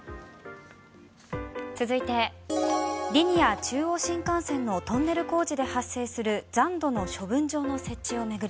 続いてリニア中央新幹線のトンネル工事で発生する残土の処分場の設置を巡り